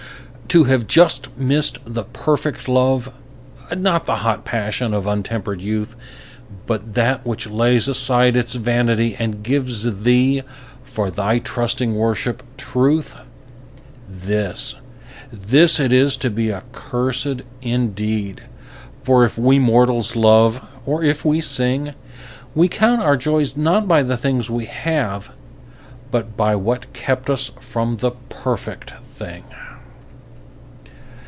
To have just missed the perfect love, Not the hot passion of untempered youth, But that which lays aside its vanity And gives thee, for thy trusting worship, truth— This, this it is to be accursed indeed; For if we mortals love, or if we sing, We count our joys not by the things we have, But by what kept us from the perfect thing.